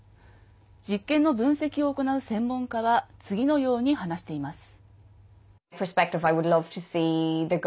実験の分析を行う専門家は次のように話しています。